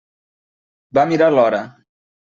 Va mirar l'hora.